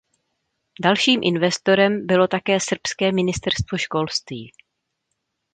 Dalším investorem bylo také srbské ministerstvo školství.